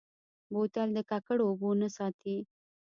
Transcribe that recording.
بوتل د ککړو اوبو نه ساتي.